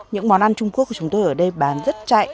những món ăn trung quốc của chúng tôi ở đây bán rất chạy